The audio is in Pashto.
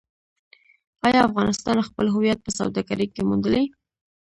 آیا افغانستان خپل هویت په سوداګرۍ کې موندلی؟